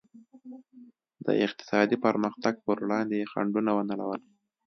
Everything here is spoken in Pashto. د اقتصادي پرمختګ پر وړاندې یې خنډونه ونړول.